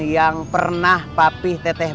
yang pernah papi teteh